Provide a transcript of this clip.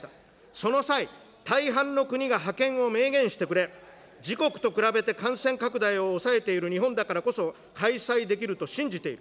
その際、大半の国が派遣を明言してくれ、自国と比べて感染拡大を抑えている日本だからこそ、開催できると信じている。